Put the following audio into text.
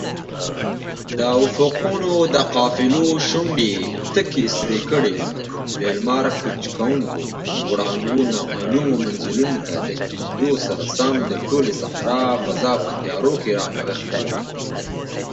It comes under the Bhavnagar railway division of Western Railway.